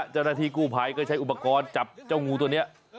เจ้าหน้าที่กู้ภัยก็ใช้อุปกรณ์จับเจ้างูตัวนี้